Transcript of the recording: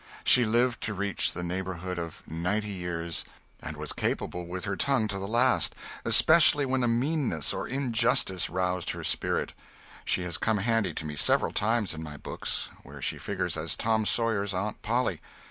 She lived to reach the neighborhood of ninety years, and was capable with her tongue to the last especially when a meanness or an injustice roused her spirit. She has come handy to me several times in my books, where she figures as Tom Sawyer's "Aunt Polly."